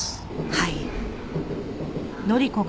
はい。